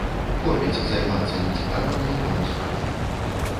Хопіць займацца нецікавымі нікому справамі!